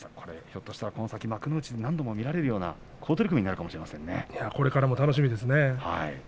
ひょっとしたら、この先幕内で何度も見られるようなこれからも楽しみですね。